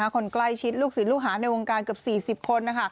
คนใกล้ชิดลูกศิลปลูกหาในวงการเกือบ๔๐คน